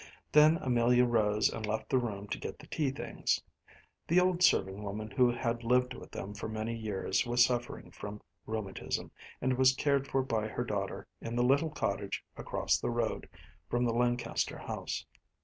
Then Amelia rose and left the room to get the tea things. The old serving woman who had lived with them for many years was suffering from rheumatism, and was cared for by her daughter in the little cottage across the road from the Lancaster house.